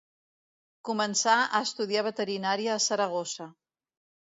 Començà a estudiar veterinària a Saragossa.